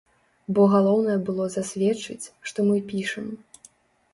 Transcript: Бо галоўнае было засведчыць, што мы пішам.